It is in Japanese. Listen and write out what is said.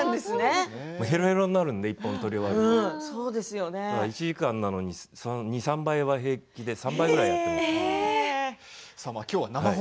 へろへろになるので１本撮り終えると１時間なのに２、３倍は平気でやっている。